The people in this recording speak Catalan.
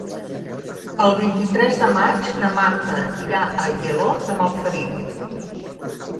El vint-i-tres de maig na Marta irà a Aielo de Malferit.